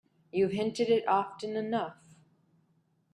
You've hinted it often enough.